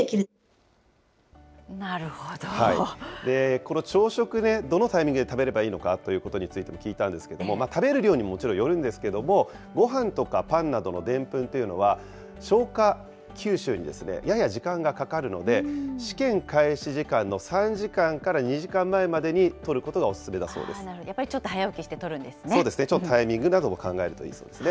この朝食ね、どのタイミングで食べればいいのかということについても聞いたんですけれども、食べる量にももちろんよるんですけれども、ごはんとかパンなどのでんぷんというのは、消化吸収にやや時間がかかるので、試験開始時間の３時間から２時間前までにとることがお勧めだそうやっぱりちょっと早起きしてそうですね、ちょっとタイミングなども考えるといいそうですね。